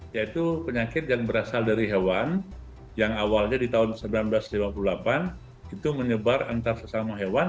yaitu penyakit yang berasal dari hewan yang awalnya di tahun seribu sembilan ratus lima puluh delapan itu menyebar antar sesama hewan